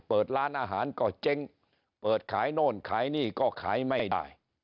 เปิดร้านอาหารก็เจ๊งเปิดขายโน่นขายนี่ก็ขายไม่ได้